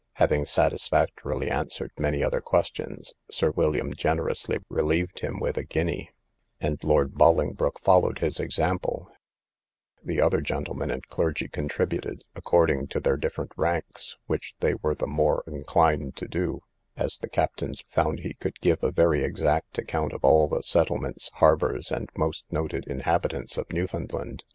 Having satisfactorily answered many other questions, Sir William, generously relieved him with a guinea, and Lord Bolingbroke followed his example; the other gentlemen and clergy contributed according to their different ranks, which they were the more inclined to do, as the captains found he could give a very exact account of all the settlements, harbours, and most noted inhabitants of Newfoundland.